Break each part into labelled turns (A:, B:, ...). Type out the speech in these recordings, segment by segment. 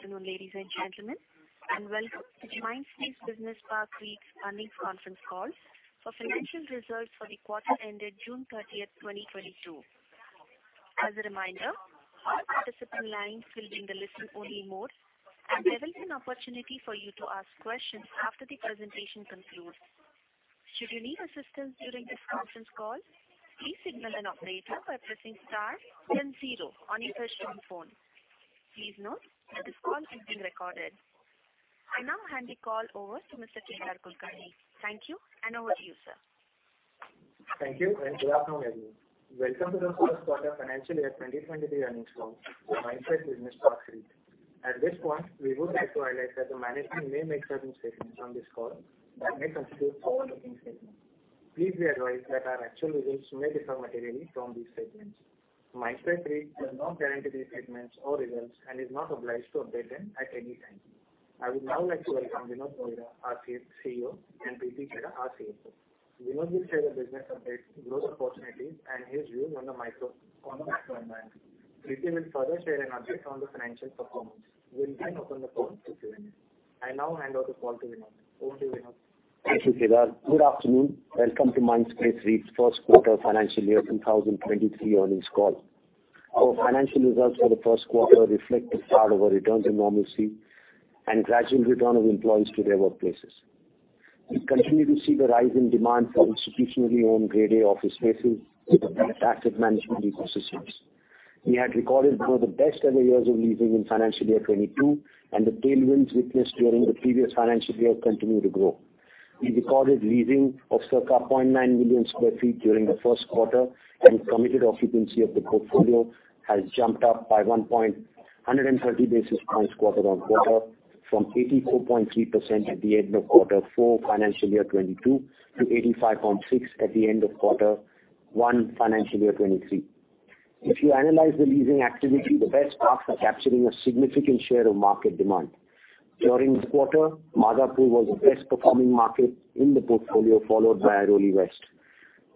A: Good afternoon, ladies and gentlemen, and welcome to Mindspace Business Parks REIT's earnings conference call for financial results for the quarter ended June 30, 2022. As a reminder, all participant lines will be in the listen-only mode, and there will be an opportunity for you to ask questions after the presentation concludes. Should you need assistance during this conference call, please signal an operator by pressing star then zero on your touchtone phone. Please note that this call is being recorded. I now hand the call over to Mr. Kedar Kulkarni. Thank you, and over to you, sir.
B: Thank you, and good afternoon, everyone. Welcome to the first quarter financial year 2023 earnings call for Mindspace Business Parks REIT. At this point, we would like to highlight that the management may make certain statements on this call that may constitute forward-looking statements. Please be advised that our actual results may differ materially from these statements. Mindspace REIT does not guarantee these statements or results and is not obliged to update them at any time. I would now like to welcome Vinod Rohira, our CEO, and Preeti Chheda, our CFO. Vinod will share the business update, growth opportunities, and his views on the macro environment. Preeti will further share an update on the financial performance. We will then open the call to Q&A. I now hand over the call to Vinod. Over to you, Vinod.
C: Thank you, Kedar. Good afternoon. Welcome to Mindspace REIT's first quarter financial year 2023 earnings call. Our financial results for the first quarter reflect the start of our return to normalcy and gradual return of employees to their workplaces. We continue to see the rise in demand for institutionally owned Grade A office spaces with the best asset management ecosystems. We had recorded one of the best ever years of leasing in financial year 2022, and the tailwinds witnessed during the previous financial year continue to grow. We recorded leasing of circa 0.9 million sq ft during the first quarter, and committed occupancy of the portfolio has jumped up by 130 basis points quarter on quarter, from 84.3% at the end of quarter four financial year 2022 to 85.6% at the end of quarter one financial year 2023. If you analyze the leasing activity, the best parks are capturing a significant share of market demand. During this quarter, Madhapur was the best performing market in the portfolio, followed by Airoli West.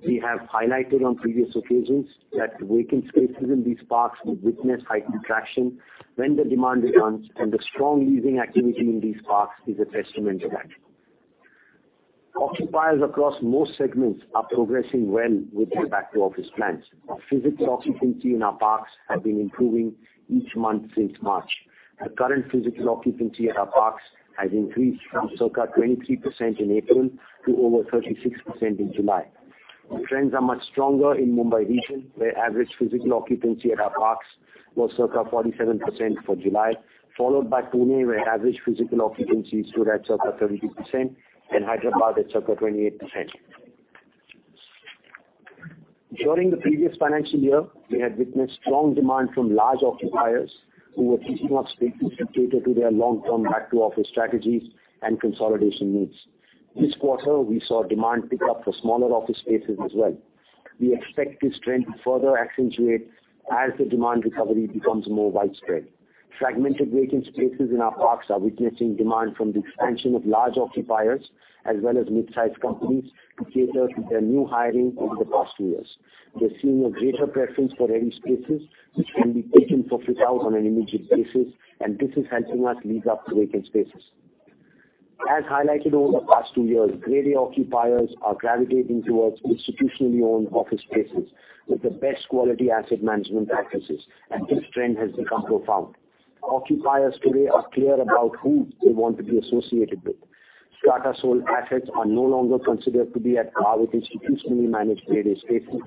C: We have highlighted on previous occasions that vacant spaces in these parks will witness heightened traction when the demand returns, and the strong leasing activity in these parks is a testament to that. Occupiers across most segments are progressing well with their back to office plans. Our physical occupancy in our parks have been improving each month since March. The current physical occupancy at our parks has increased from circa 23% in April to over 36% in July. The trends are much stronger in Mumbai region, where average physical occupancy at our parks was circa 47% for July, followed by Pune, where average physical occupancy stood at circa 30%, and Hyderabad at circa 28%. During the previous financial year, we had witnessed strong demand from large occupiers who were leasing up spaces to cater to their long-term back to office strategies and consolidation needs. This quarter, we saw demand pick up for smaller office spaces as well. We expect this trend to further accentuate as the demand recovery becomes more widespread. Fragmented vacant spaces in our parks are witnessing demand from the expansion of large occupiers as well as mid-sized companies to cater to their new hiring over the past two years. We're seeing a greater preference for ready spaces which can be taken for fit-out on an immediate basis, and this is helping us lease up the vacant spaces. As highlighted over the past two years, Grade A occupiers are gravitating towards institutionally owned office spaces with the best quality asset management practices, and this trend has become profound. Occupiers today are clear about who they want to be associated with. Strata sold assets are no longer considered to be at par with institutionally managed Grade A spaces,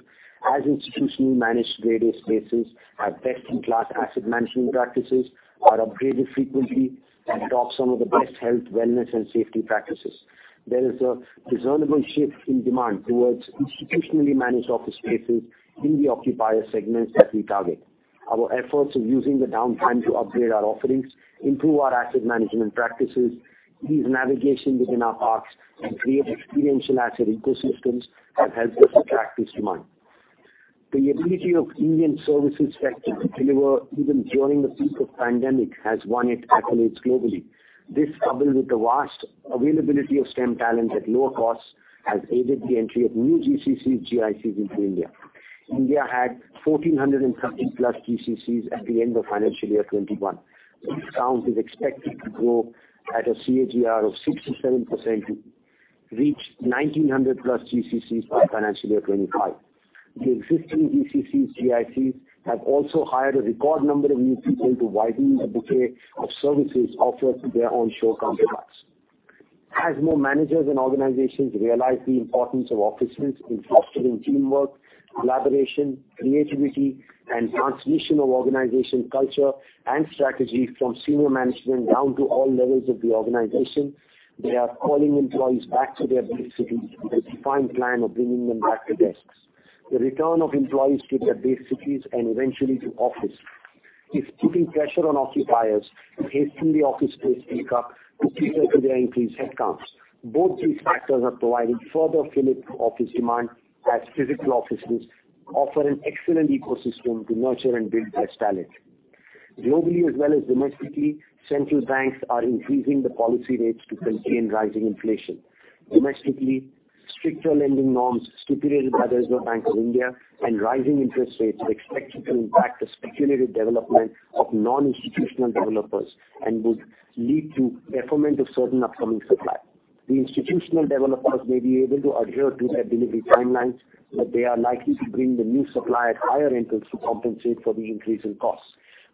C: as institutionally managed Grade A spaces have best-in-class asset management practices, are upgraded frequently, and adopt some of the best health, wellness, and safety practices. There is a discernible shift in demand towards institutionally managed office spaces in the occupier segments that we target. Our efforts of using the downtime to upgrade our offerings, improve our asset management practices, ease navigation within our parks, and create experiential asset ecosystems have helped us attract this demand. The ability of Indian services sector to deliver even during the peak of pandemic has won it accolades globally. This, coupled with the vast availability of STEM talent at lower costs, has aided the entry of new GCCs, GICs into India. India had 1,430+ GCCs at the end of financial year 2021. This count is expected to grow at a CAGR of 67% to reach 1,900+ GCCs by financial year 2025. The existing GCCs, GICs have also hired a record number of new people to widen the bouquet of services offered to their onshore counterparts. As more managers and organizations realize the importance of offices in fostering teamwork, collaboration, creativity, and transmission of organization culture and strategy from senior management down to all levels of the organization, they are calling employees back to their base cities with a defined plan of bringing them back to desks. The return of employees to their base cities and eventually to office is keeping pressure on occupiers to hasten the office space take-up to cater to their increased headcounts. Both these factors are providing further fillip to office demand, as physical offices offer an excellent ecosystem to nurture and build best talent. Globally as well as domestically, central banks are increasing the policy rates to contain rising inflation. Domestically, stricter lending norms stipulated by the Reserve Bank of India and rising interest rates are expected to impact the speculative development of non-institutional developers, and would lead to deferment of certain upcoming supply. The institutional developers may be able to adhere to their delivery timelines, but they are likely to bring the new supply at higher rentals to compensate for the increase in costs,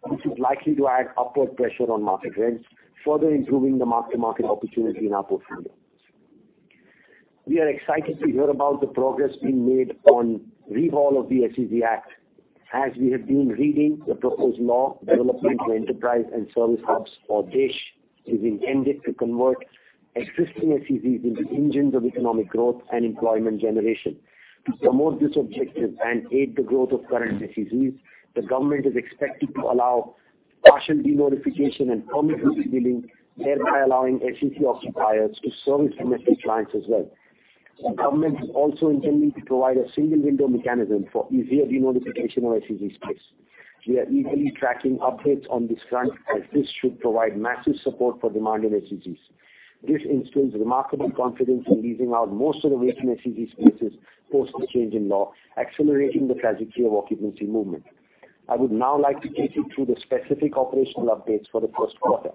C: which is likely to add upward pressure on market rents, further improving the mark-to-market opportunity in our portfolio. We are excited to hear about the progress being made on overhaul of the SEZ Act, as we have been reading the proposed law, Development of Enterprise and Service Hubs, or DESH, is intended to convert existing SEZs into engines of economic growth and employment generation. To promote this objective and aid the growth of current SEZs, the government is expected to allow partial denotification and permit leaseholding, thereby allowing SEZ occupiers to sub-lease to multiple clients as well. The government is also intending to provide a single window mechanism for easier denotification of SEZ space. We are eagerly tracking updates on this front, as this should provide massive support for demand in SEZs. This instills remarkable confidence in leasing out most of the vacant SEZ spaces post the change in law, accelerating the trajectory of occupancy movement. I would now like to take you through the specific operational updates for the first quarter.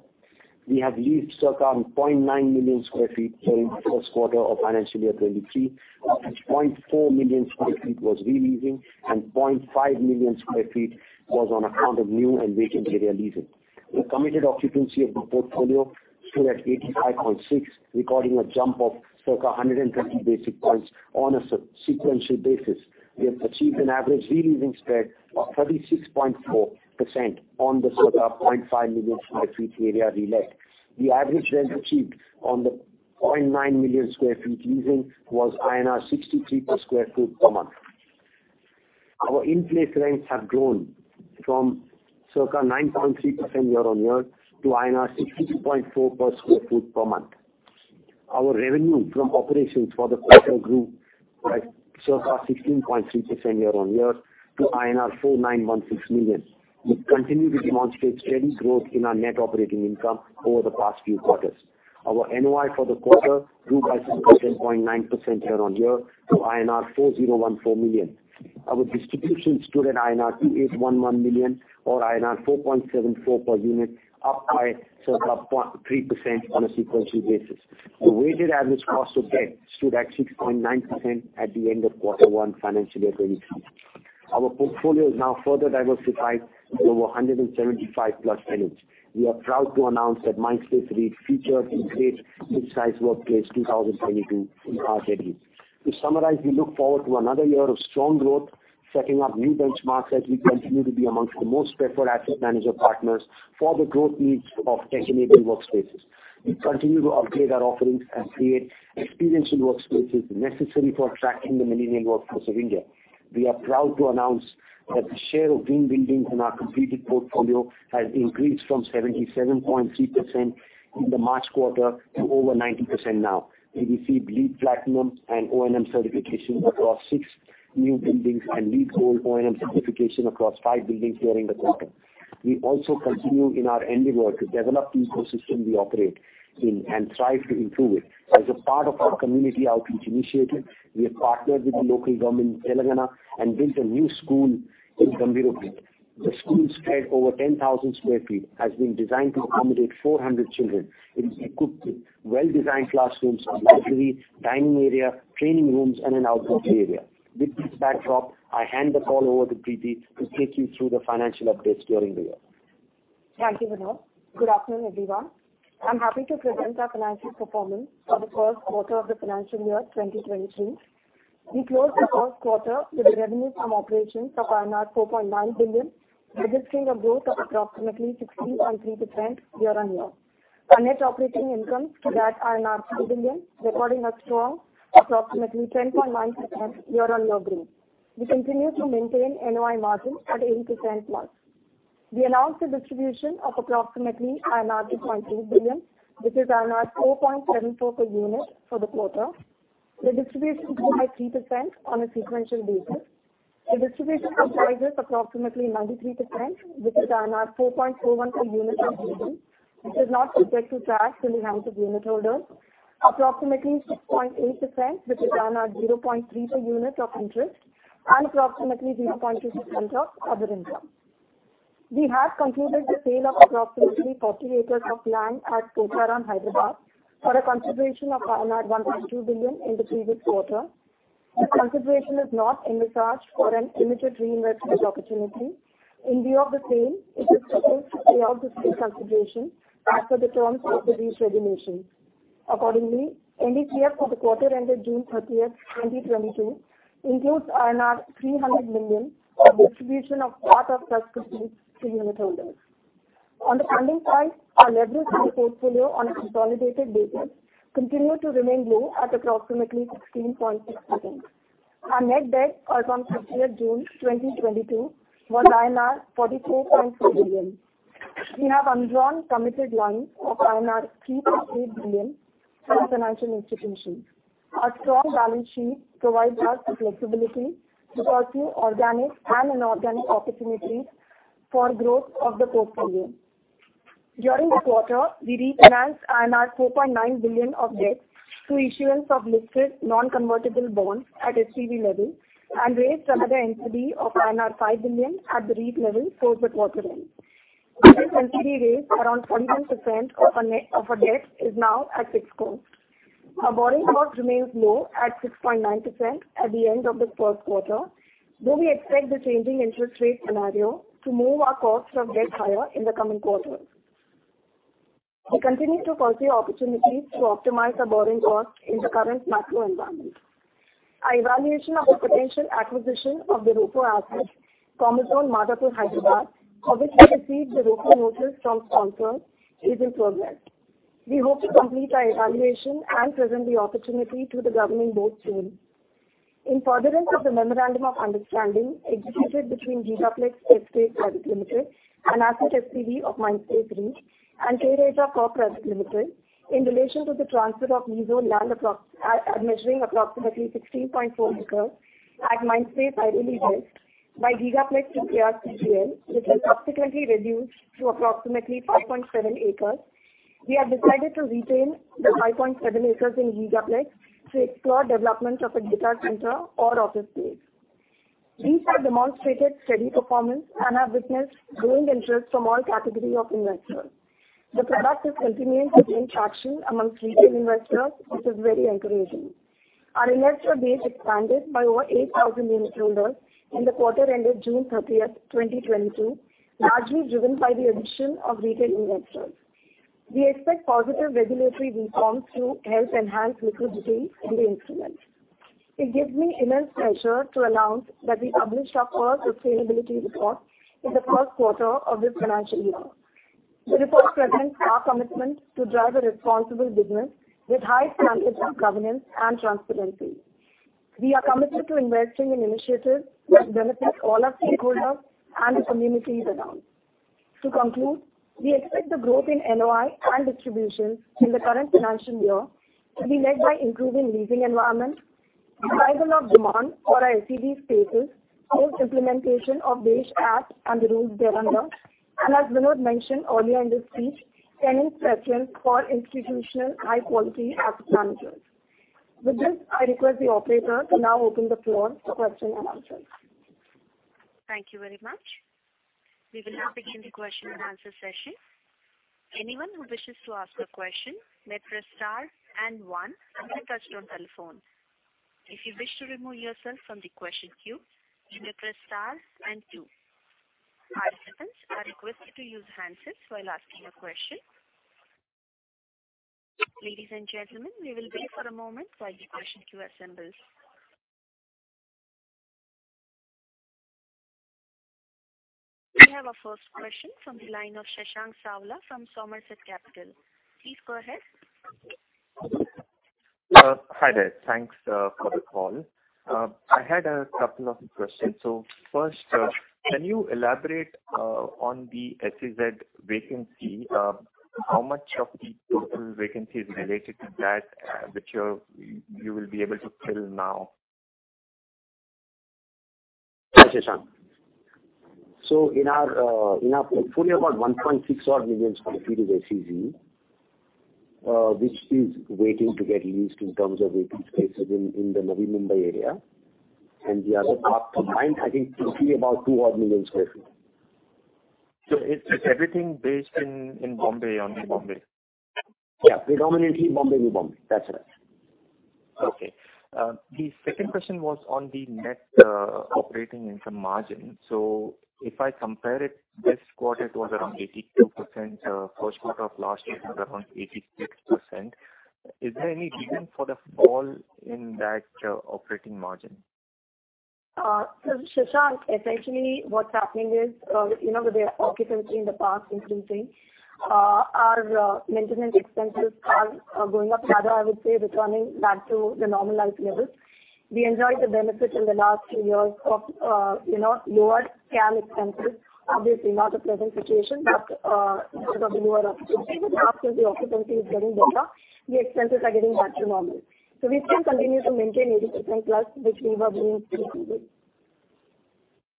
C: We have leased circa 0.9 million sq ft during the first quarter of financial year 2023. 0.4 million sq ft was re-leasing, and 0.5 million sq ft was on account of new and vacant area leasing. The committed occupancy of the portfolio stood at 85.6, recording a jump of circa 120 basis points on a sequential basis. We have achieved an average re-leasing spread of 36.4% on the circa 0.5 million sq ft area relet. The average rent achieved on the 0.9 million sq ft leasing was INR 63 per sq ft per month. Our in-place rents have grown from circa 9.3% year-over-year to INR 62.4 per sq ft per month. Our revenue from operations for the quarter grew by circa 16.3% year-over-year to INR 4,916 million. We've continued to demonstrate steady growth in our net operating income over the past few quarters. Our NOI for the quarter grew by 16.9% year-over-year to INR 4,014 million. Our distribution stood at INR 2,811 million or INR 4.74 per unit, up by circa 0.3% on a sequential basis. The weighted average cost of debt stood at 6.9% at the end of quarter one financial year 2023. Our portfolio is now further diversified with over 175+ tenants. We are proud to announce that Mindspace REIT featured in India's Great Mid-size Workplaces 2022 in our category. To summarize, we look forward to another year of strong growth, setting up new benchmarks as we continue to be among the most preferred asset manager partners for the growth needs of tech-enabled workspaces. We continue to upgrade our offerings and create experiential workspaces necessary for attracting the millennial workforce of India. We are proud to announce that the share of green buildings in our completed portfolio has increased from 77.3% in the March quarter to over 90% now. We received LEED Platinum and O&M certification across 6 new buildings, and LEED Gold O&M certification across 5 buildings during the quarter. We also continue in our endeavor to develop the ecosystem we operate in, and strive to improve it. As a part of our community outreach initiative, we have partnered with the local government in Telangana and built a new school in Gambhirpur. The school, spread over 10,000 sq ft, has been designed to accommodate 400 children. It is equipped with well-designed classrooms, a library, dining area, training rooms, and an outdoor play area. With this backdrop, I hand the call over to Preeti to take you through the financial updates during the year.
D: Thank you, Vinod. Good afternoon, everyone. I'm happy to present our financial performance for the first quarter of the financial year 2023. We closed the first quarter with a revenue from operations of 4.9 billion, resulting a growth of approximately 16.3% year-on-year. Our net operating income stood at 2 billion, recording a strong approximately 10.9% year-on-year growth. We continue to maintain NOI margin at 80% plus. We announced a distribution of approximately 2.2 billion, which is 4.74 per unit for the quarter. The distribution grew by 3% on a sequential basis. The distribution comprises approximately 93%, which is 4.41 per unit from leasing, which is not subject to tax in the hands of unitholders. Approximately 6.8%, which is 0.3 per unit of interest, and approximately 0.2% of other income. We have concluded the sale of approximately 40 acres of land at Pocharam, Hyderabad for a consideration of 1.2 billion in the previous quarter. The consideration is not envisaged for an immediate reinvestment opportunity. In view of the same, it is proposed to pay out this consideration as per the terms of the lease regulations. Accordingly, NDCF for the quarter ended June 30, 2022 includes 300 million of distribution of part of such proceeds to unitholders. On the funding side, our leverage for the portfolio on a consolidated basis continued to remain low at approximately 16.6%. Our net debt as on June 30, 2022 was INR 44.4 billion. We have undrawn committed lines of INR 3.8 billion from financial institutions. Our strong balance sheet provides us the flexibility to pursue organic and inorganic opportunities for growth of the portfolio. During this quarter, we refinanced 4.9 billion of debt through issuance of listed non-convertible bonds at SPV level, and raised another NCD of 5 billion at the REIT level towards the quarter end. This NCD raise around 41% of our net debt is now at fixed cost. Our borrowing cost remains low at 6.9% at the end of this first quarter, though we expect the changing interest rate scenario to move our cost of debt higher in the coming quarters. We continue to foresee opportunities to optimize our borrowing cost in the current macro environment. Our evaluation of the potential acquisition of the ROFO asset, Commerzone, Madhapur, Hyderabad, for which we received the ROFO notice from sponsor, is in progress. We hope to complete our evaluation and present the opportunity to the governing board soon. In furtherance of the memorandum of understanding executed between Gigaplex Estate Private Limited, an asset SPV of Mindspace REIT, and K Raheja Corp Private Limited, in relation to the transfer of MIDC land measuring approximately 16.4 acres at Mindspace Airoli West by Gigaplex to K Raheja Corp Private Limited, which was subsequently reduced to approximately 5.7 acres. We have decided to retain the 5.7 acres in Gigaplex to explore development of a data center or office space. REITs have demonstrated steady performance and have witnessed growing interest from all category of investors. The product is continuing to gain traction among retail investors, which is very encouraging. Our investor base expanded by over 8,000 unit holders in the quarter ended June 30, 2022, largely driven by the addition of retail investors. We expect positive regulatory reforms to help enhance liquidity in the instruments. It gives me immense pleasure to announce that we published our first sustainability report in the first quarter of this financial year. The report presents our commitment to drive a responsible business with high standards of governance and transparency. We are committed to investing in initiatives which benefits all our stakeholders and the communities around. To conclude, we expect the growth in NOI and distribution in the current financial year to be led by improving leasing environment, revival of demand for our SEZ spaces, post-implementation of DESH Act and the rules thereunder, and as Vinod mentioned earlier in his speech, tenant preference for institutional high quality asset managers. With this, I request the operator to now open the floor for question-and-answers.
A: Thank you very much. We will now begin the question and answer session. Anyone who wishes to ask a question may press star and one on their touchtone telephone. If you wish to remove yourself from the question queue, you may press star and two. Our participants are requested to use handsets while asking a question. Ladies and gentlemen, we will wait for a moment while the question queue assembles. We have our first question from the line of Shashank Savla from Somerset Capital. Please go ahead.
E: Hi there. Thanks for the call. I had a couple of questions. First, can you elaborate on the SEZ vacancy? How much of the total vacancy is related to that which you will be able to fill now?
C: Hi, Shashank. In our portfolio about 1.6 odd million sq ft is SEZ, which is waiting to get leased in terms of vacant spaces in the Navi Mumbai area. The other part combined I think should be about 2 odd million sq ft.
E: Is everything based in Bombay, only Bombay?
C: Yeah. Predominantly Bombay, Navi Mumbai. That's right.
E: Okay. The second question was on the net operating income margin. If I compare it, this quarter it was around 82%. First quarter of last year it was around 86%. Is there any reason for the fall in that operating margin?
D: Shashank, essentially what's happening is, you know, with the occupancy in the past increasing, our maintenance expenses are going up. Rather, I would say returning back to the normalized levels. We enjoyed the benefit in the last few years of, you know, lower CAM expenses. Obviously not a present situation, but because of the lower occupancy. Now since the occupancy is getting better, the expenses are getting back to normal. We still continue to maintain 80% plus, which we were doing previously.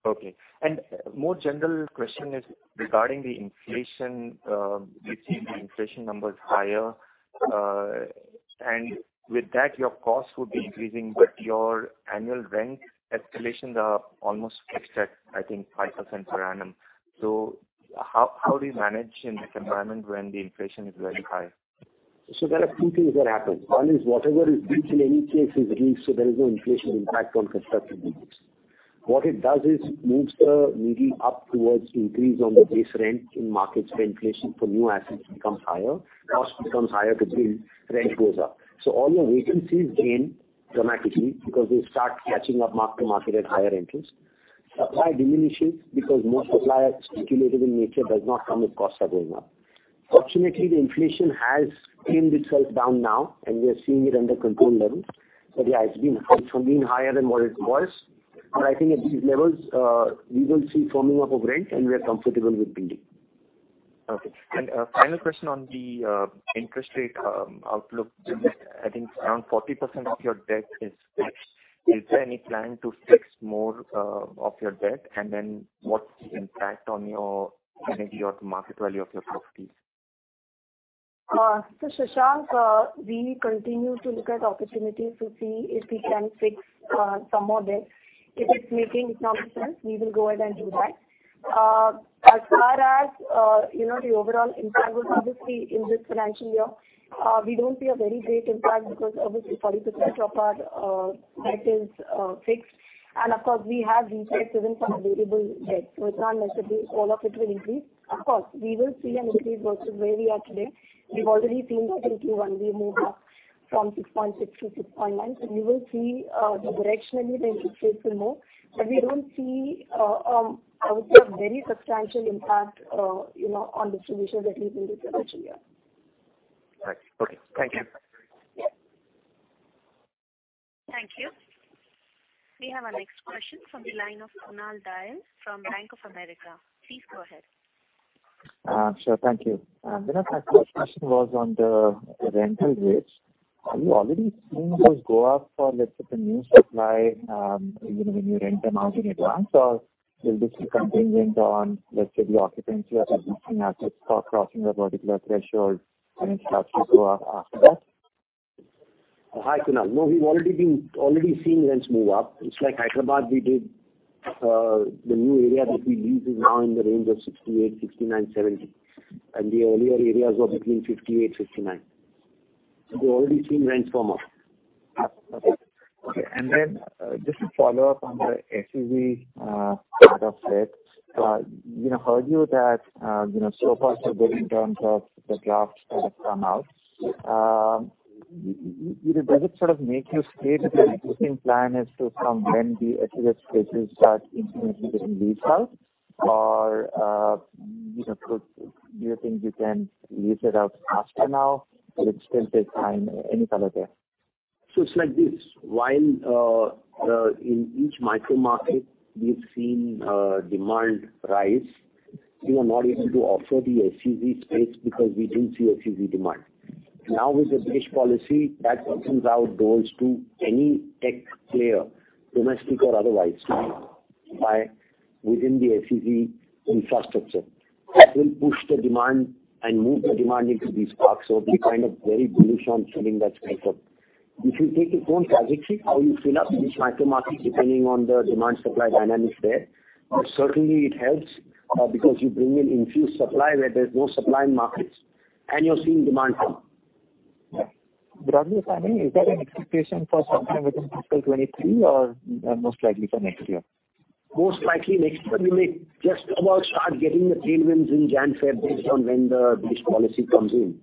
E: Okay. More general question is regarding the inflation. We've seen the inflation numbers higher. With that your cost would be increasing, but your annual rent escalations are almost fixed at, I think 5% per annum. How do you manage in this environment when the inflation is very high?
C: There are two things that happen. One is whatever is leased in any case is leased, so there is no inflation impact on construction leases. What it does is moves the needle up towards increase on the base rent in markets where inflation for new assets becomes higher. Cost becomes higher to build, rent goes up. All your vacancies gain dramatically because they start catching up mark-to-market at higher rentals. Supply diminishes because more supplier speculative in nature does not come if costs are going up. Fortunately, the inflation has calmed itself down now, and we are seeing it under control levels. Yeah, it's been higher than what it was. I think at these levels, we will see firming up of rent, and we are comfortable with building.
E: Okay. A final question on the interest rate outlook. I think around 40% of your debt is fixed. Is there any plan to refinance more of your debt? What's the impact on your equity or the market value of your properties?
D: Shashank, we continue to look at opportunities to see if we can fix some more debt. If it's making economic sense, we will go ahead and do that. As far as, you know, the overall impact would obviously in this financial year, we don't see a very great impact because obviously 40% of our debt is fixed. Of course, we have fixed even some variable debt, so it's not necessarily all of it will increase. Of course, we will see an increase versus where we are today. We've already seen that in Q1. We moved up from 6.6% to 6.9%. We will see directionally the interest rates will move. We don't see I would say a very substantial impact, you know, on distributions at least in this financial year.
E: Right. Okay. Thank you.
D: Yes.
A: Thank you. We have our next question from the line of Kunal Dayal from Bank of America. Please go ahead.
F: Sure. Thank you. Vinod Rohira, my first question was on the rental rates. Are you already seeing those go up for, let's say, the new supply, you know, when you rent them out in advance? Or will this be contingent on, let's say, the occupancy of existing assets start crossing a particular threshold, and it starts to go up after that?
C: Hi, Kunal. No, we've already been seeing rents move up. It's like Hyderabad we did, the new area that we leased is now in the range of 68-70, and the earlier areas were between 58-59. We've already seen rents come up.
F: Okay. Just to follow up on the SEZ part of it. We now heard you that you know, so far so good in terms of the drafts that have come out. Would it, does it sort of make you stay with the existing plan as to from when the SEZ spaces start incrementally getting leased out? Or, you know, could, do you think you can lease it out faster now, or it still takes time? Any thought there?
C: It's like this. While in each micro market we've seen demand rise, we were not able to offer the SEZ space because we didn't see SEZ demand. Now, with the DESH policy, that opens our doors to any tech player, domestic or otherwise, to buy within the SEZ infrastructure. That will push the demand and move the demand into these parks. We're kind of very bullish on filling that space up. If you take a phone trajectory, how you fill up each micro market depending on the demand supply dynamics there, certainly it helps, because you bring in infused supply where there's no supply in markets, and you're seeing demand come.
F: Broadly timing, is that an expectation for sometime within fiscal 2023 or most likely for next year?
C: Most likely next year. We may just about start getting the tailwinds in January-February based on when the DESH policy comes in.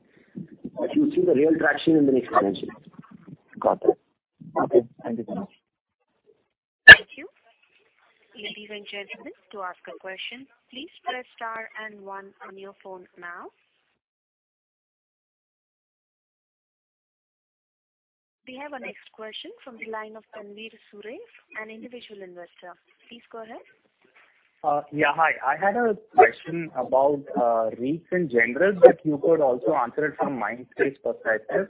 C: You'll see the real traction in the next financial year.
F: Got it. Okay. Thank you so much.
A: Thank you. Ladies and gentlemen, to ask a question, please press star and one on your phone now. We have our next question from the line of Tanvir Suresh, an individual investor. Please go ahead. Yeah. Hi. I had a question about REITs in general, but you could also answer it from Mindspace perspective.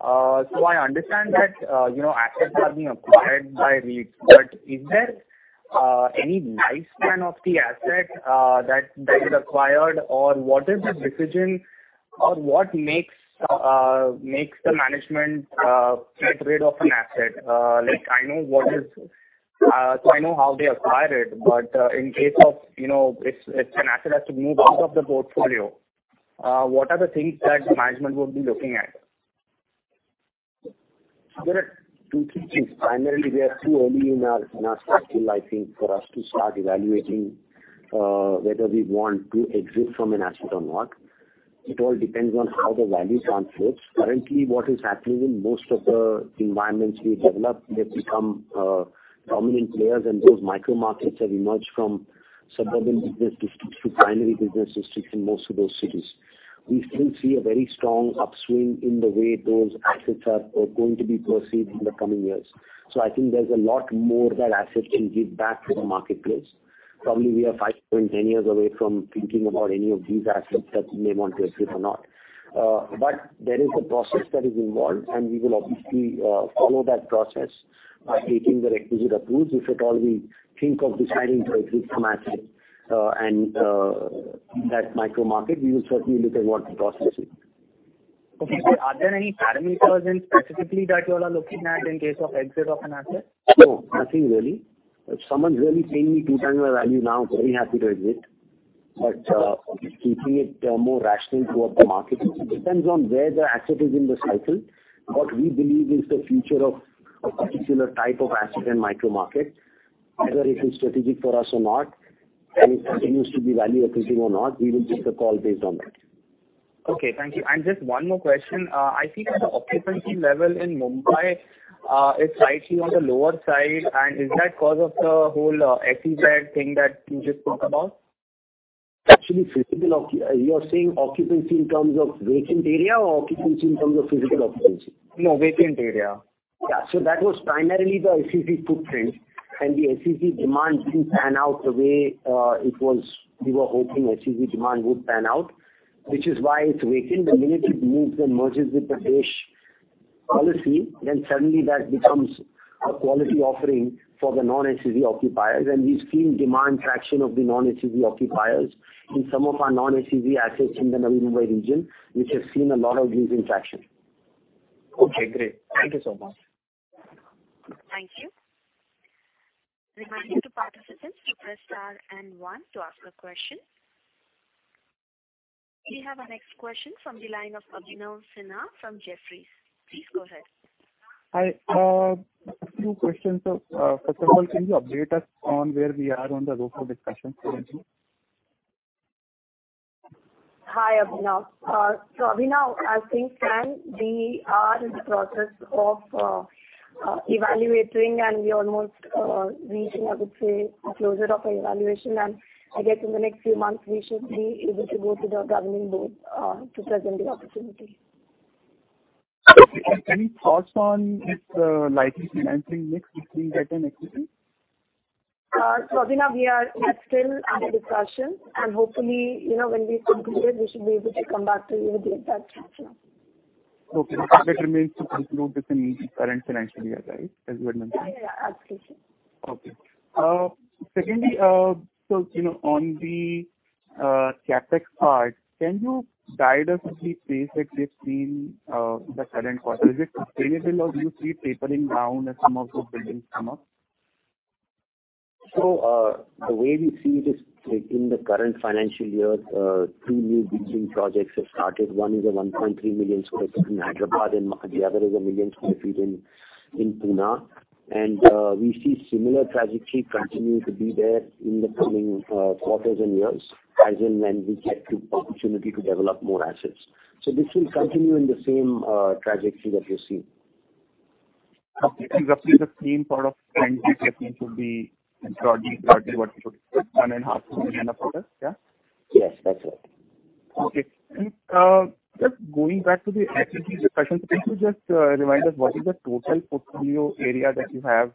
A: I understand that you know, assets are being acquired by REITs, but is there any lifespan of the asset that is acquired? What is the decision or what makes the management get rid of an asset? I know how they acquire it, but in case of you know, if an asset has to move out of the portfolio, what are the things that the management would be looking at?
C: There are two, three things. Primarily, we are too early in our cycle, I think, for us to start evaluating whether we want to exit from an asset or not. It all depends on how the value translates. Currently, what is happening in most of the environments we've developed, we have become dominant players, and those micro markets have emerged from suburban business districts to primary business districts in most of those cities. We still see a very strong upswing in the way those assets are going to be perceived in the coming years. I think there's a lot more that assets can give back to the marketplace. Probably we are 5-10 years away from thinking about any of these assets that we may want to exit or not. There is a process that is involved, and we will obviously follow that process by taking the requisite approvals. If at all we think of deciding to exit from assets in that micro market, we will certainly look at what the process is. Okay. Are there any parameters, specifically, that you all are looking at in case of exit of an asset? No, nothing really. If someone's really paying me two times my value now, very happy to exit. Obviously keeping it more rational throughout the market. It depends on where the asset is in the cycle. What we believe is the future of a particular type of asset and micro market, whether it is strategic for us or not, and it continues to be value accretive or not, we will take a call based on that. Okay, thank you. Just one more question. I think that the occupancy level in Mumbai is slightly on the lower side. Is that because of the whole SEZ thing that you just spoke about? Actually, you're saying occupancy in terms of vacant area or occupancy in terms of physical occupancy? No, vacant area. That was primarily the SEZ footprint. The SEZ demand didn't pan out the way we were hoping SEZ demand would pan out, which is why it's vacant. The minute it moves and merges with the DESH policy, then suddenly that becomes a quality offering for the non-SEZ occupiers. We've seen demand traction of the non-SEZ occupiers in some of our non-SEZ assets in the Navi Mumbai region, which has seen a lot of leasing traction. Okay, great. Thank you so much.
A: Thank you. Reminder to participants to press star and one to ask a question. We have our next question from the line of Abhinav Sinha from Jefferies. Please go ahead.
G: Hi, a few questions. First of all, can you update us on where we are on the ROPAR discussions currently?
D: Hi, Abhinav. Abhinav, as things stand, we are in the process of evaluating, and we almost reaching, I would say the closure of our evaluation. I guess in the next few months we should be able to go to the governing board to present the opportunity.
G: Any thoughts on its likely financing mix between debt and equity?
D: Abhinav, we are still under discussion and hopefully, you know, when we conclude, we should be able to come back to you with the exact structure.
G: Okay. That remains to conclude within current financial year, right? As you had mentioned.
D: Yeah. Absolutely.
G: Okay. Secondly, you know, on the CapEx part, can you guide us on the pace that we've seen in the current quarter? Is it sustainable or do you see tapering down as some of those buildings come up?
C: The way we see it is, in the current financial year, 2 new leasing projects have started. One is a 1.3 million sq ft in Hyderabad, and the other is 1 million sq ft in Pune. We see similar trajectory continuing to be there in the coming quarters and years, as in when we get to opportunity to develop more assets. This will continue in the same trajectory that you're seeing.
G: Okay. Roughly the same part of CapEx I think should be broadly what you put in another $1 million. Yeah?
C: Yes, that's right.
G: Okay. Just going back to the SEZ discussion, can you just remind us what is the total portfolio area that you have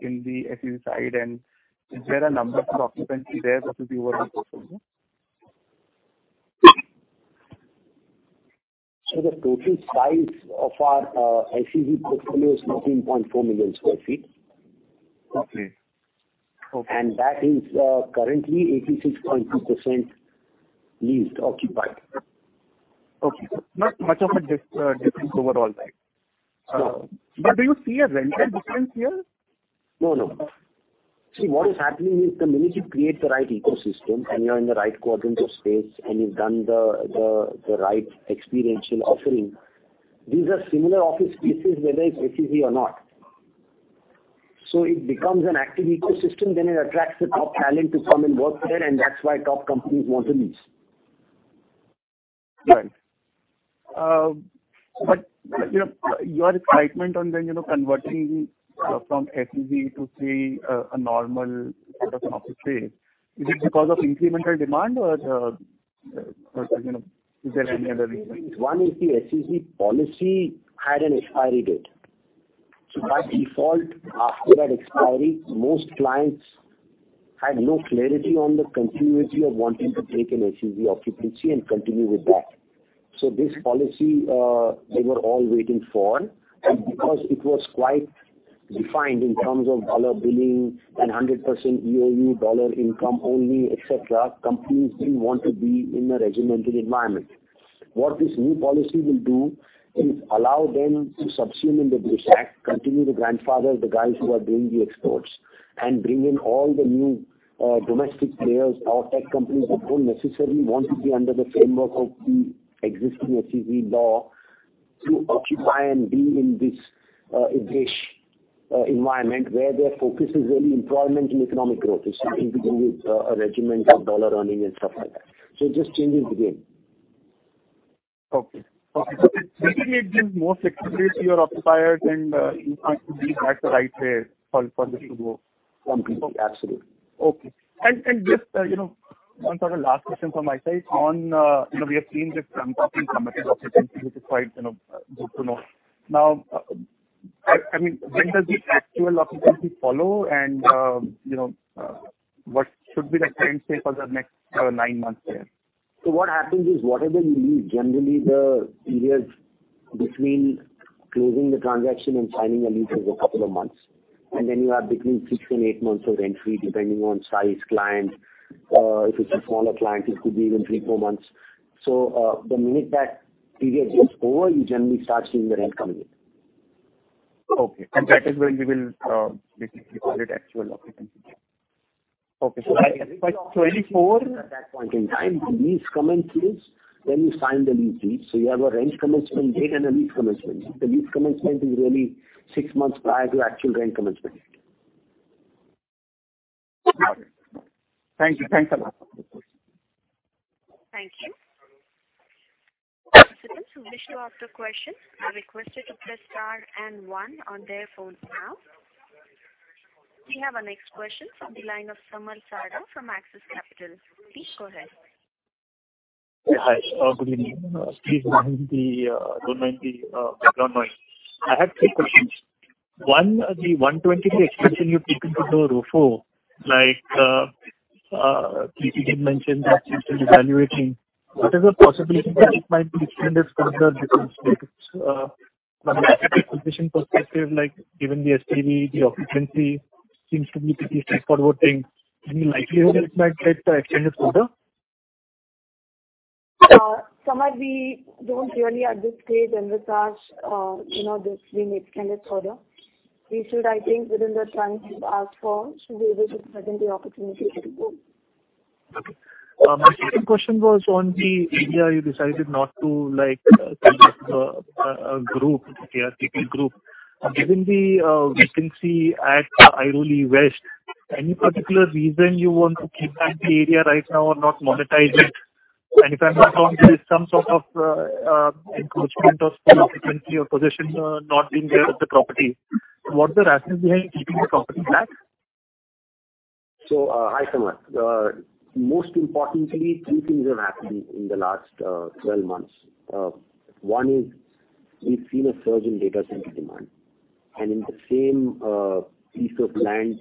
G: in the SEZ side, and is there a number for occupancy there that you were referencing?
C: The total size of our SEZ portfolio is 13.4 million sq ft.
G: Okay. Okay.
C: That is, currently 86.2% leased, occupied.
G: Okay. Not much of a difference overall that.
C: No.
G: Do you see a rental difference here?
C: No, no. See, what is happening is the minute you create the right ecosystem, and you're in the right quadrant of space, and you've done the right experiential offering, these are similar office spaces, whether it's SEZ or not. It becomes an active ecosystem, then it attracts the top talent to come and work there, and that's why top companies want to lease.
G: Right. You know, your excitement on then, you know, converting from SEZ to say a normal sort of an office space, is it because of incremental demand or, you know, is there any other reason?
C: One is the SEZ policy had an expiry date. By default, after that expiry, most clients had no clarity on the continuity of wanting to take an SEZ occupancy and continue with that. This policy, they were all waiting for. Because it was quite defined in terms of dollar billing and 100% EOU dollar income only, et cetera, companies didn't want to be in a regimented environment. What this new policy will do is allow them to subsume in the DESH Act, continue to grandfather the guys who are doing the exports, and bring in all the new, domestic players or tech companies that don't necessarily want to be under the framework of the existing SEZ law to occupy and be in this environment where their focus is really employment and economic growth. It's nothing to do with a regimen of dollar earning and stuff like that. It just changes the game.
G: Okay. This will give more flexibility to your occupiers, and you find that to be the right way for this to go.
C: Completely. Absolutely.
G: Okay. Just you know one sort of last question from my side. On you know we have seen this encompassing committed occupancy, which is quite you know good to know. Now I mean when does the actual occupancy follow and you know what should be the trend say for the next nine months there?
C: What happens is whatever you lease, generally the period between closing the transaction and signing a lease is a couple of months. Then you have between 6-8 months of rent free, depending on size, client. If it's a smaller client, it could be even 3-4 months. The minute that period is over, you generally start seeing the rent coming in.
G: Okay. That is when we will basically call it actual occupancy. Okay. By 24-
C: At that point in time, the lease commencement is when you sign the lease deed. You have a rent commencement date and a lease commencement date. The lease commencement is really six months prior to actual rent commencement date.
G: Got it. Thank you. Thanks a lot.
A: Thank you. Participants who wish to ask a question are requested to press star and one on their phone now. We have our next question from the line of Samar Sarda from Axis Capital. Please go ahead.
H: Hi. Good evening. Don't mind the background noise. I have three questions. One, the 123 expansion you've taken to the ROFO, like, Preeti did mention that she's been evaluating. What is the possibility that it might be extended further because it's, from an acquisition perspective, like, given the SPV, the occupancy seems to be pretty straightforward thing. Any likelihood it might get extended further?
D: Samar, we don't really at this stage envisage, you know, this being extended further. We should, I think, within the time we've asked for, be able to present the opportunity pretty soon.
G: Okay. My second question was on the area you decided not to, like, take up a RTP group. Given the vacancy at Airoli West, any particular reason you want to keep back the area right now or not monetize it? If I'm not wrong, there is some sort of encroachment of occupancy or possession not being there at the property. What's the rationale behind keeping the property back?
C: Hi, Samar. Most importantly, 2 things have happened in the last 12 months. One is we've seen a surge in data center demand. In the same piece of land,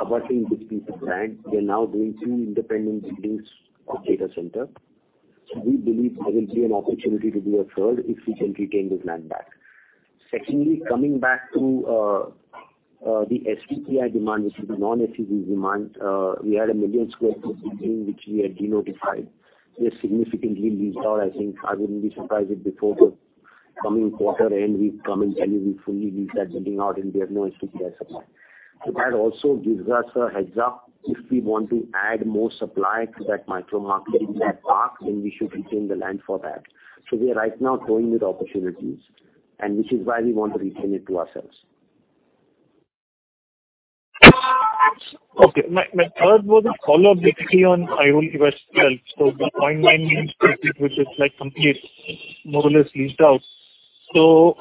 C: about in this piece of land, we are now doing 2 independent buildings of data center. We believe there will be an opportunity to do a third if we can retain this land back. Secondly, coming back to the STPI demand, which is the non-SEZ demand, we had a 1 million sq ft building which we had denotified. We have significantly leased out. I think I wouldn't be surprised if before the coming quarter end, we come and tell you we've fully leased that building out, and we have no STPI supply. That also gives us a heads up if we want to add more supply to that micro market in that park, then we should retain the land for that. We are right now toying with opportunities, and which is why we want to retain it to ourselves.
G: Okay. My third was a follow-up basically on Airoli West itself. The 0.9 million sq ft, which is like complete, more or less leased out. For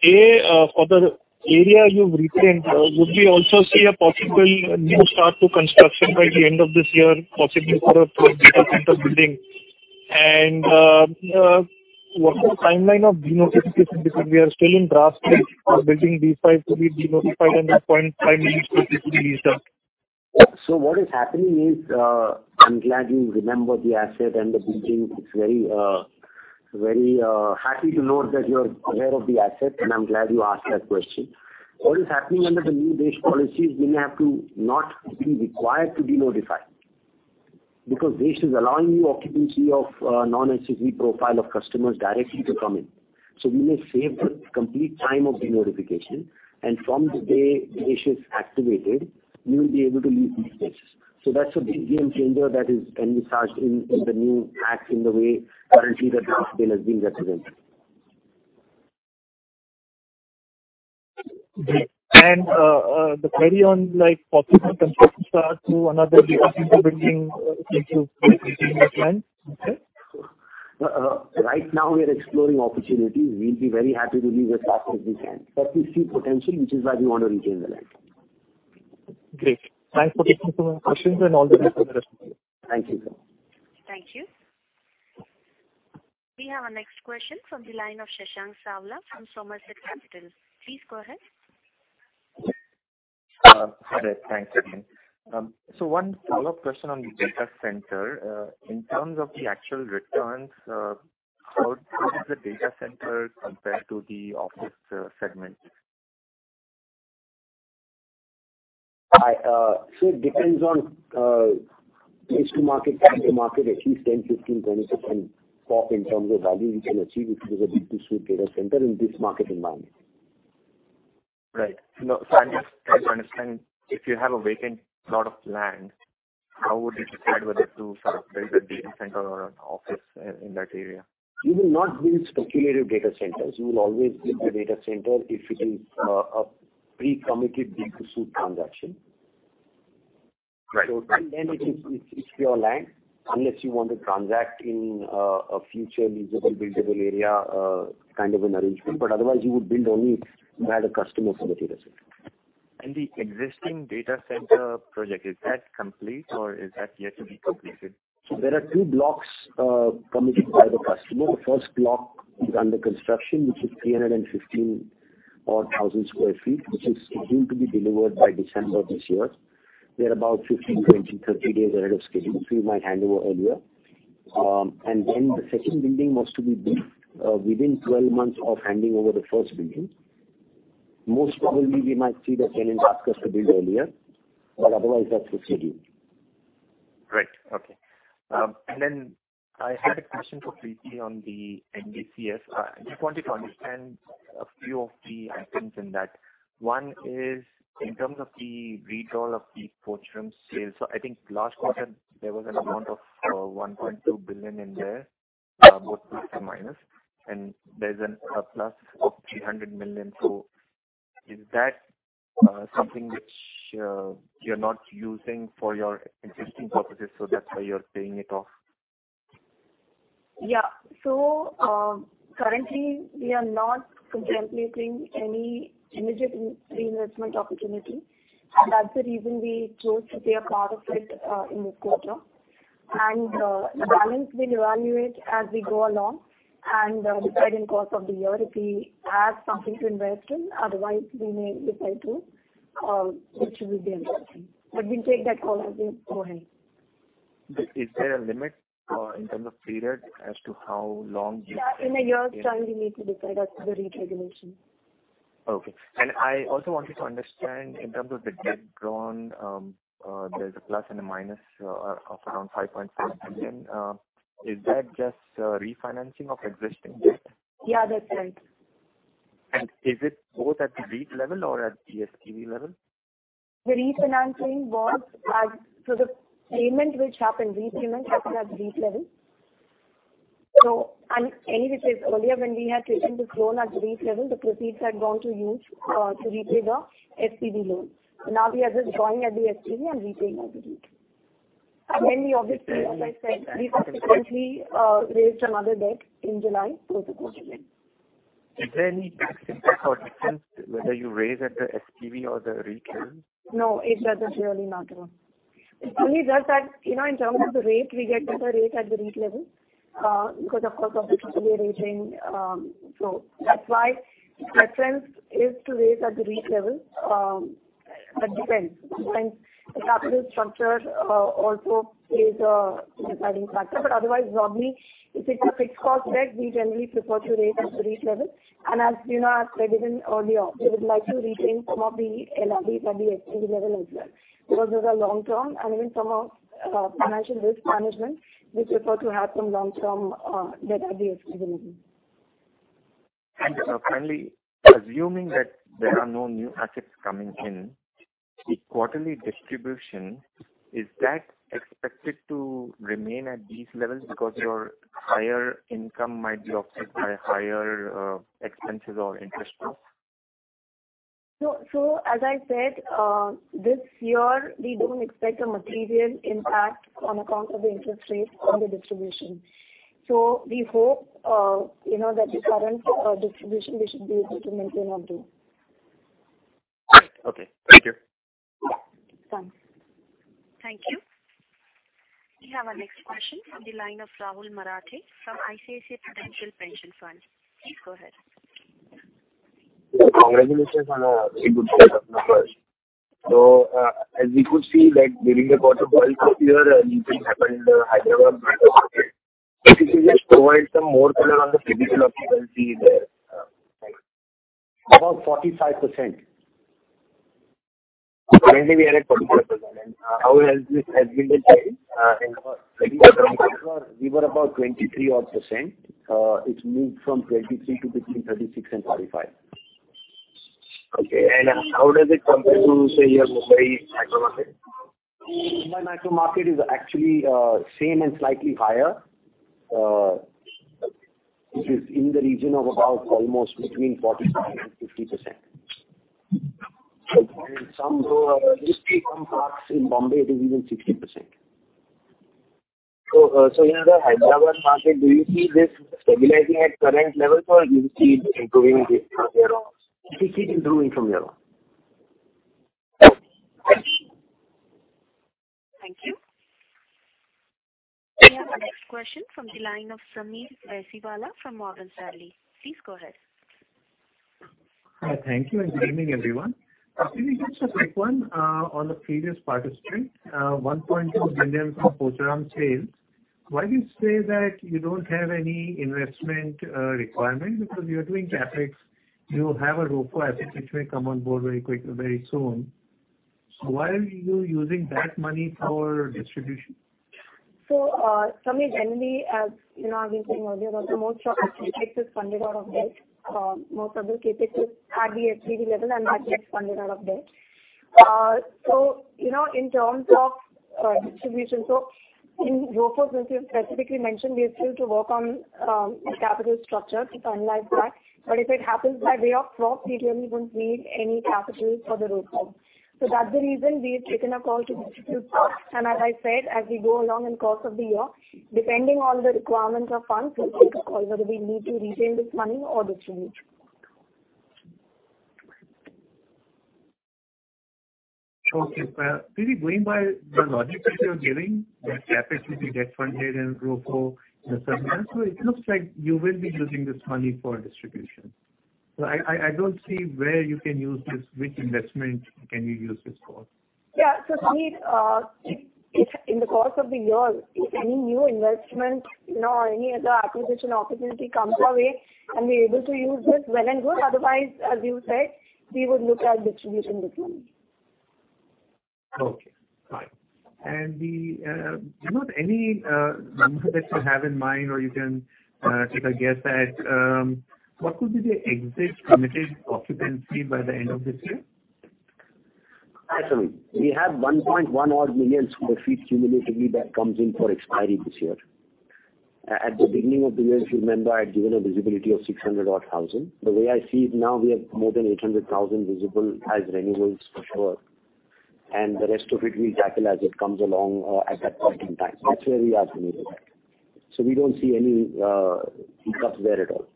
G: the area you've retained, would we also see a possible new start to construction by the end of this year, possibly for a third data center building? What's the timeline of denotification? Because we are still in draft stage of building D5 to be denotified and that 0.5 million sq ft to be leased out.
C: What is happening is, I'm glad you remember the asset and the building. It's very happy to note that you're aware of the asset, and I'm glad you asked that question. What is happening under the new DESH policies, we may have to not be required to denotify. Because DESH is allowing new occupancy of non-SEZ profile of customers directly to come in. We may save the complete time of denotification, and from the day DESH is activated, we will be able to lease these spaces. That's a big game changer that is envisaged in the new act in the way currently the draft bill has been represented.
G: Great. The query on, like, possible construction start to another data center building since you've retained that land. Okay.
C: Right now we are exploring opportunities. We'll be very happy to lease as fast as we can. We see potential, which is why we want to retain the land.
G: Great. Thanks for taking two of my questions, and all the best for the rest of the year.
C: Thank you.
A: Thank you. We have our next question from the line of Shashank Savla from Somerset Capital. Please go ahead.
E: Hi there. Thanks again. One follow-up question on the data center. In terms of the actual returns, how does the data center compare to the office segment?
C: It depends on mark-to-market compared to market at least 10, 15, 20% pop in terms of value we can achieve if it is a BTS data center in this market environment.
E: I'm just trying to understand, if you have a vacant plot of land, how would you decide whether to sort of build a data center or an office in that area?
C: We will not build speculative data centers. We will always build the data center if it is a pre-committed BTS transaction.
E: Right. Right.
C: Till then it is, it's pure land, unless you want to transact in a future leasable buildable area, kind of an arrangement. But otherwise, you would build only if you had a customer for the data center.
E: The existing data center project, is that complete or is that yet to be completed?
C: There are two blocks committed by the customer. The first block is under construction, which is 315-odd thousand sq ft, which is going to be delivered by December this year. We're about 15, 20, 30 days ahead of schedule, so we might hand over earlier. The second building was to be built within 12 months of handing over the first building. Most probably we might see the tenant ask us to build earlier, but otherwise that's the schedule.
E: Great. Okay. I had a question for Preeti on the NDCF. I just wanted to understand a few of the items in that. One is in terms of the redraw of the forward sales. I think last quarter there was an amount of 1.2 billion in there, about plus or minus. There's a plus of 300 million. Is that something which you're not using for your existing purposes, so that's why you're paying it off?
D: Yeah. Currently we are not contemplating any immediate in-reinvestment opportunity. That's the reason we chose to pay a part of it in this quarter. The balance we'll evaluate as we go along and decide in course of the year if we have something to invest in. Otherwise, we may decide to distribute the interest. We'll take that call as we go ahead.
E: Is there a limit, in terms of period as to how long you?
D: Yeah, in a year's time we need to decide as per the REIT regulation.
E: Okay. I also wanted to understand in terms of the debt drawn, there's a plus and a minus of around 5.5 million. Is that just refinancing of existing debt?
D: Yeah, that's right.
E: Is it both at the REIT level or at the SPV level?
D: The repayment happened at the REIT level. As I said earlier, when we had taken this loan at the REIT level, the proceeds had gone to use to repay the SPV loan. Now we are just drawing at the SPV and repaying at the REIT. We obviously, as I said, have subsequently raised another debt in July for the project.
E: Is there any tax impact or difference whether you raise at the SPV or the REIT level?
D: No, it doesn't really matter. It only does, you know, in terms of the rate. We get better rate at the REIT level because, of course, of the AAA rating. So that's why preference is to raise at the REIT level. But depends. The capital structure also plays a deciding factor. But otherwise, normally if it's a fixed cost debt, we generally prefer to raise at the REIT level. As you know, as I had said even earlier, we would like to retain some of the NCDs at the SPV level as well. Because those are long term, and even some of financial risk management, we prefer to have some long-term debt at the SPV level.
E: Finally, assuming that there are no new assets coming in, the quarterly distribution, is that expected to remain at these levels because your higher income might be offset by higher expenses or interest costs?
D: As I said, this year we don't expect a material impact on account of the interest rate on the distribution. We hope, you know, that the current distribution we should be able to maintain or do.
E: Okay. Thank you.
D: Yes. Thanks.
A: Thank you. We have our next question from the line of Rahul Marathe from ICICI Prudential Pension Fund. Please go ahead.
I: Congratulations on a very good set of numbers. As we could see, like during the course of last year, a new thing happened Hyderabad micro-market. Could you please provide some more color on the visibility you will see there? Thanks.
D: About 45%.
I: Currently we are at 44%. How has this been the change in the last six months?
D: We were about 23 odd percent. It's moved from 23 to between 36% and 45%.
I: Okay. How does it compare to, say, your Mumbai micro-market?
D: Mumbai micro-market is actually same and slightly higher. It is in the region of about almost between 45% and 50%.
I: Okay.
D: Some, just a few parks in Bombay. It is even 60%.
I: In the Hyderabad market, do you see this stabilizing at current levels or do you see it improving from here on?
D: We see it improving from here on.
A: Thank you. We have our next question from the line of Sameer Baisiwala from Morgan Stanley. Please go ahead.
J: Hi. Thank you and good evening, everyone. Actually, just a quick one on the previous participant. 1.2 billion from Pocharam sales. Why do you say that you don't have any investment requirement? Because you are doing CapEx. You have a ROFO asset which may come on board very soon. Why are you using that money for distribution?
D: Sameer, generally, as you know, I've been saying earlier that the most of the CapEx is funded out of debt. Most of the CapEx is at the SPV level and that gets funded out of debt. You know, in terms of distribution, in ROFOs since you have specifically mentioned, we have still to work on the capital structure to finalize that. If it happens by way of prop, we generally don't need any capital for the ROFO. That's the reason we have taken a call to distribute cash. As I said, as we go along in course of the year, depending on the requirement of funds, we'll take a call whether we need to retain this money or distribute.
G: Okay. Really going by the logic that you're giving, that CapEx will be debt funded and ROFO in a certain manner. It looks like you will be using this money for distribution. I don't see where you can use this, which investment can you use this for?
D: Yeah. Sameer, if in the course of the year, if any new investment, you know, or any other acquisition opportunity comes our way and we're able to use this, well and good. Otherwise, as you said, we would look at distributing this money.
G: Okay, fine. The, you know, any number that you have in mind or you can take a guess at what could be the exit committed occupancy by the end of this year?
D: Hi, Sameer. We have 1.1 odd million sq ft cumulatively that comes in for expiry this year. At the beginning of the year, if you remember, I'd given a visibility of 600 odd thousand. The way I see it now, we have more than 800,000 visible as renewals for sure, and the rest of it we'll tackle as it comes along, at that point in time. That's where we are committed at. We don't see any hiccups there at all.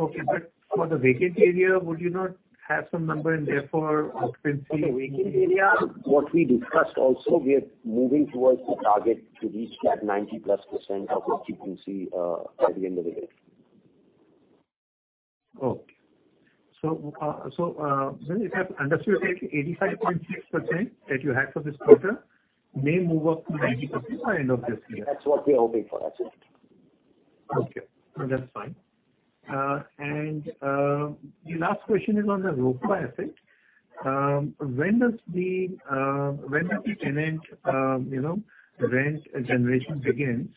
G: Okay. For the vacant area, would you not have some number and therefore occupancy?
C: For the vacant area, what we discussed also, we are moving towards the target to reach that 90%+ occupancy by the end of the year.
G: If I've understood correctly, 85.6% that you had for this quarter may move up to 90% by end of this year.
C: That's what we are hoping for. That's it.
G: Okay. No, that's fine. The last question is on the ROFO asset. When does the tenant, you know, rent generation begins?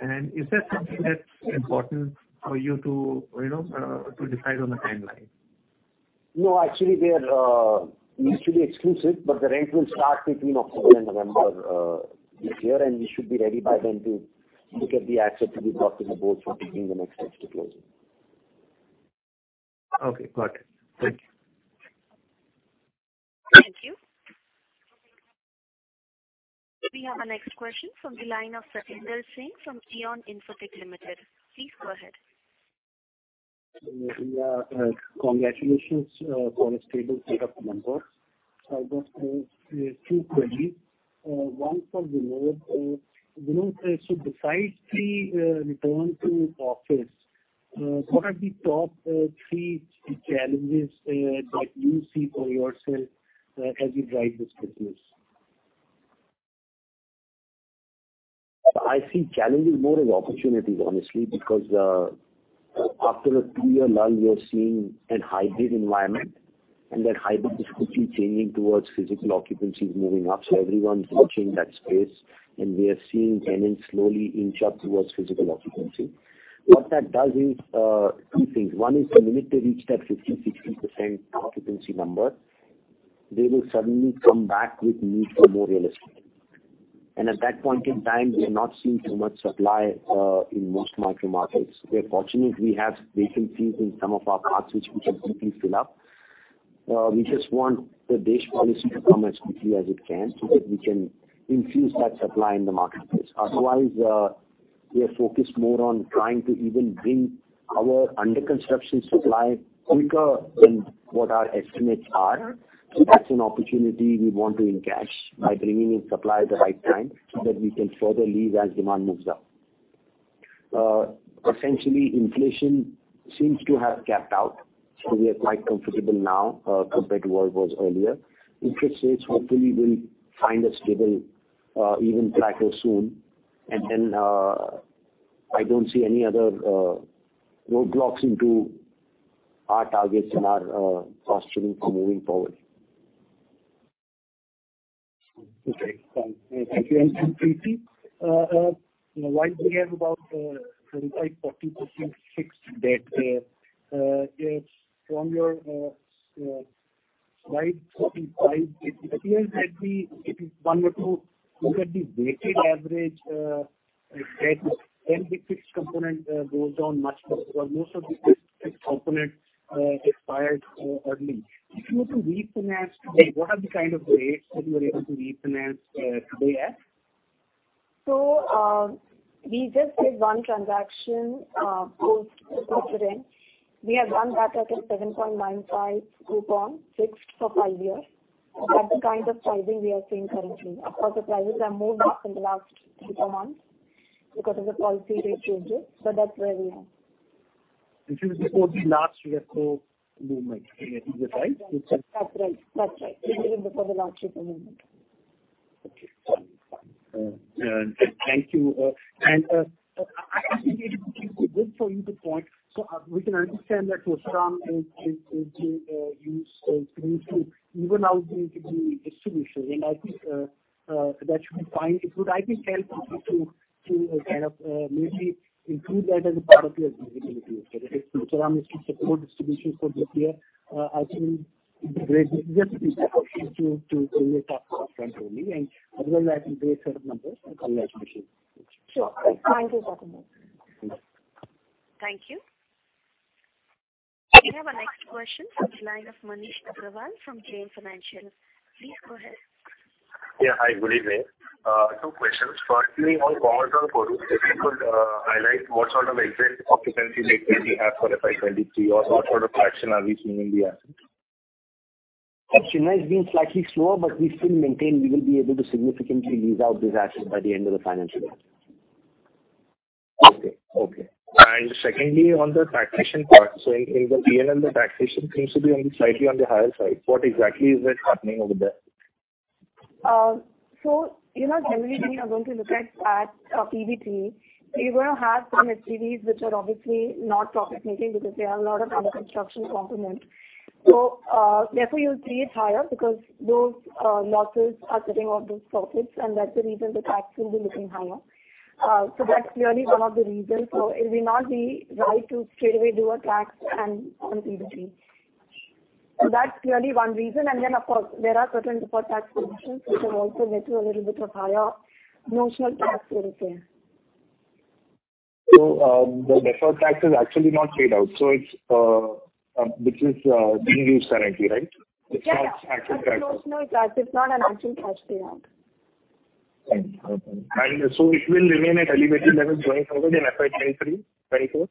G: Is that something that's important for you to, you know, to decide on the timeline?
C: No, actually we are, mutually exclusive, but the rent will start between October and November, this year, and we should be ready by then to look at the asset to be brought to the board for taking the next steps to closing.
G: Okay. Got it. Thank you.
A: Thank you. We have our next question from the line of Satinder Singh from Geon Infotech Limited. Please go ahead.
K: Yeah. Congratulations on a stable set of numbers. I've got two queries. One for Vinod. Vinod, so besides the return to office, what are the top three challenges that you see for yourself as you drive this business?
C: I see challenges more as opportunities, honestly. After a 2-year lull, we are seeing a hybrid environment, and that hybrid is quickly changing towards physical occupancies moving up. Everyone's watching that space, and we are seeing tenants slowly inch up towards physical occupancy. What that does is two things. One is the minute they reach that 50%-60% occupancy number, they will suddenly come back with need for more real estate. At that point in time, we are not seeing so much supply in most micro markets. We are fortunate we have vacancies in some of our parks which we can quickly fill up. We just want the DESH policy to come as quickly as it can so that we can infuse that supply in the marketplace. Otherwise, we are focused more on trying to even bring our under construction supply quicker than what our estimates are. That's an opportunity we want to encash by bringing in supply at the right time so that we can further lease as demand moves up. Essentially inflation seems to have capped out. We are quite comfortable now, compared to what it was earlier. Interest rates hopefully will find a stable, even plateau soon. I don't see any other roadblocks into our targets and our posturing for moving forward.
K: Okay, fine. Thank you. Preeti, while we are about 35-40% fixed debt, from your Slide 45, it appears that if one were to look at the weighted average debt, then the fixed component goes down much more because most of the fixed component expires early. If you were to refinance today, what are the kind of rates that you are able to refinance today at?
D: We just did one transaction post the quarter end. We have done that at a 7.95% coupon fixed for five years. That's the kind of pricing we are seeing currently. Of course, the prices have moved up in the last three to four months because of the policy rate changes. That's where we are.
K: This is before the last repo movement. Is it right?
D: That's right. This is before the last repo movement.
K: Okay. Fine. Thank you. I think it would be good for you to point out so we can understand that the sponsor is also, even now, going to do distribution. I think that should be fine. It would, I think, help also to kind of maybe include that as a part of your visibility. If the sponsor is to support distribution for this year, I think it'd be great just to build that up front only. Otherwise, I can base certain numbers and conversations.
D: Sure. Thank you. That's all.
A: Thank you. We have our next question from the line of Manish Aggarwal from JM Financial. Please go ahead.
L: Yeah. Hi. Good evening. 2 questions. Firstly, on commercial portfolios, if you could highlight what sort of expected occupancy rate may we have for FY 23 or what sort of traction are we seeing in the asset?
C: Action has been slightly slower, but we still maintain we will be able to significantly lease out these assets by the end of the financial year.
G: Okay. Secondly, on the taxation part. In the P&L, the taxation seems to be slightly on the higher side. What exactly is it happening over there?
D: You know, generally when you are going to look at PBT, you're gonna have some SPVs which are obviously not profit-making because they have a lot of under construction component. Therefore you'll see it higher because those losses are setting off those profits, and that's the reason the tax will be looking higher. That's clearly one of the reasons. It will not be right to straightaway do a tax on PBT. That's clearly one reason. Then of course, there are certain deferred tax provisions which have also led to a little bit of higher notional tax to look there.
G: The deferred tax is actually not paid out. This is being used currently, right? It's not actual cash.
D: Yeah. It's a notional tax. It's not an actual cash payout.
C: Thank you. It will remain at elevated levels going forward in FY 2023, 2024?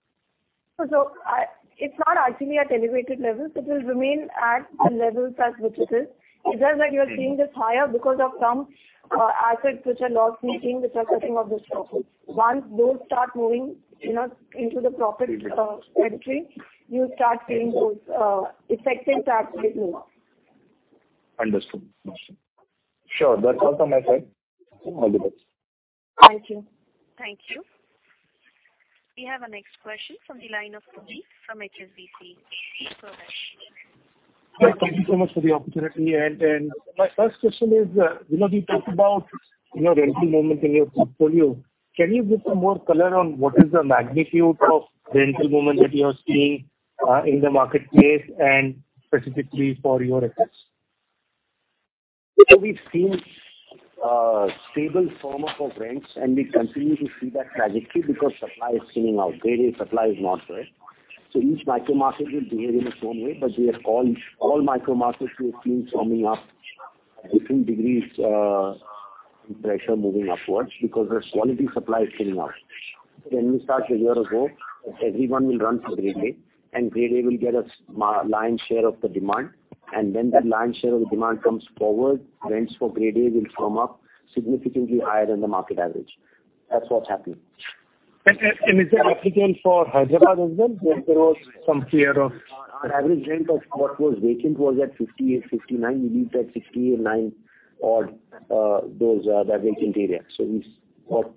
D: It's not actually at elevated levels. It will remain at the levels at which it is. It's just that you are seeing this higher because of some assets which are loss-making, which are cutting off the profit. Once those start moving, you know, into the profit entry, you'll start seeing those effects in tax get moved.
L: Understood. Got you. Sure. That's all from my side. All the best.
D: Thank you.
A: Thank you. We have our next question from the line of Puneet from HSBC. Go ahead.
M: Hi. Thank you so much for the opportunity. My first question is, you know, you talked about your rental momentum in your portfolio. Can you give some more color on what is the magnitude of rental momentum that you are seeing in the marketplace and specifically for your assets?
C: We've seen stable firming up of rents, and we continue to see that gradually because supply is thinning out. Grade A supply is not there. Each micro market will behave in its own way, but we are all micro markets, we are seeing firming up different degrees, pressure moving upwards because the quality supply is thinning out. When we started a year ago, everyone will run for Grade A, and Grade A will get a lion's share of the demand. When that lion's share of the demand comes forward, rents for Grade A will firm up significantly higher than the market average. That's what's happening.
I: Is that applicable for Hyderabad as well? Because there was some fear.
C: Our average rent of what was vacant was at 58-59. We leased at 68.9 or to that vacant area. Or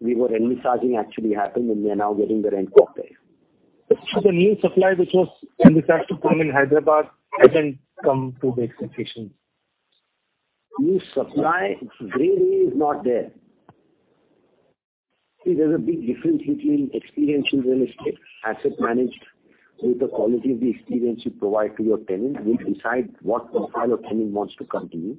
C: we were envisaging actually happened, and we are now getting the rent for it.
I: The new supply which was in the pipeline in Hyderabad hasn't come to the expectation?
C: New supply, Grade A is not there. See, there's a big difference between experiential real estate, asset managed with the quality of the experience you provide to your tenant, will decide what profile your tenant wants to come to you.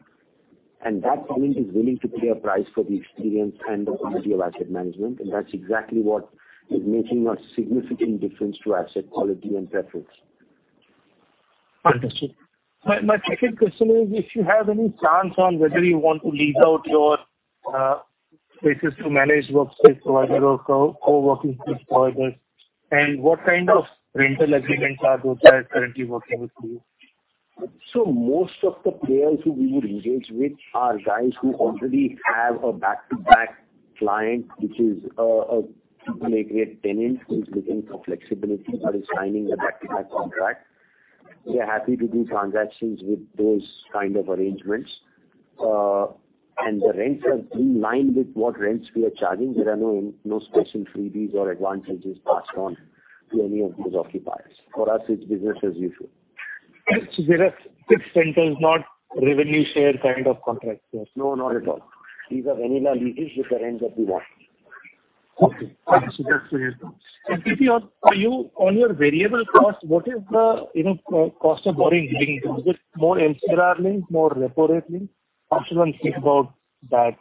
C: That tenant is willing to pay a price for the experience and the quality of asset management, and that's exactly what is making a significant difference to asset quality and preference.
I: Understood. My second question is if you have any plans on whether you want to lease out your spaces to managed workspace provider or co-working space providers, and what kind of rental agreements are those that are currently working with you?
C: Most of the players who we would engage with are guys who already have a back-to-back client, which is an AAA grade tenant who is looking for flexibility but is signing a back-to-back contract. We are happy to do transactions with those kind of arrangements. The rents are in line with what rents we are charging. There are no special freebies or advantages passed on to any of those occupiers. For us, it's business as usual.
I: There are fixed rentals, not revenue share kind of contracts there?
C: No, not at all. These are vanilla leases with the rents that we want.
I: Okay. All right. That's clear now. PP, are you on your variable costs? What is the, you know, cost of borrowing being? Is it more MCLR linked, more repo rate linked? How should one think about that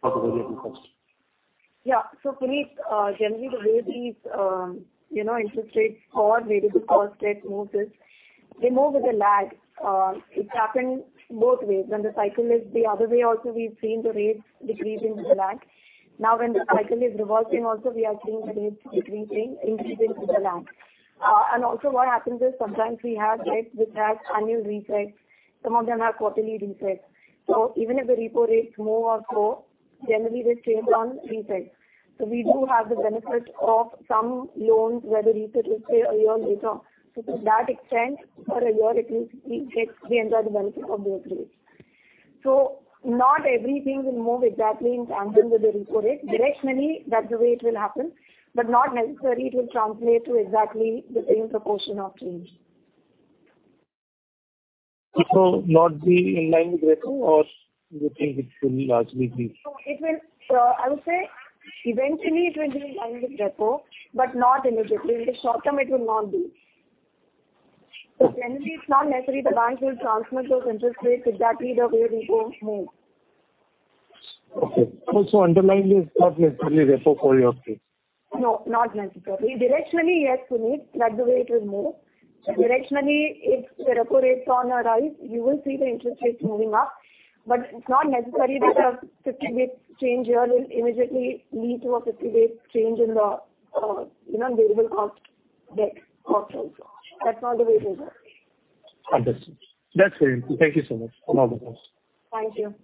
I: for the variable cost?
D: Puneet, generally the way these interest rates or variable cost rates moves is they move with a lag. It happens both ways. When the cycle is the other way also we've seen the rates decreasing with the lag. Now, when the cycle is reversing also we are seeing the rates decreasing, increasing with the lag. Also what happens is sometimes we have debts which have annual resets. Some of them have quarterly resets. Even if the repo rates move up or down, generally they stay on reset. We do have the benefit of some loans where the reset is, say, a year later. To that extent, for a year at least we enjoy the benefit of lower rates. Not everything will move exactly in tandem with the repo rate. Directionally, that's the way it will happen, but not necessarily it will translate to exactly the same proportion of change.
I: It will not be in line with repo, or do you think it will largely be?
D: No. It will, I would say eventually it will be in line with repo, but not immediately. In the short term, it will not be. Generally, it's not necessary the banks will transmit those interest rates exactly the way repo moves.
I: Okay. Underlying is not necessarily repo for your case.
D: No, not necessarily. Directionally, yes, Puneet, that's the way it will move. Directionally, if the repo rates on the rise, you will see the interest rates moving up. But it's not necessary that a 50 basis point change here will immediately lead to a 50 basis point change in the, you know, variable cost, debt cost also. That's not the way it will work.
I: Understood. That's very helpful. Thank you so much. All the best.
D: Thank you.